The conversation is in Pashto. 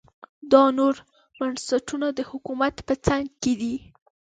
دا نور بنسټونه د حکومت په څنګ دي.